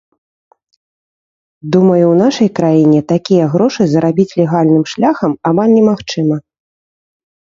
Думаю, у нашай краіне, такія грошы зарабіць легальным шляхам амаль немагчыма.